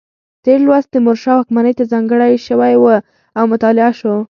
تېر لوست تیمورشاه واکمنۍ ته ځانګړی شوی و او مطالعه شو.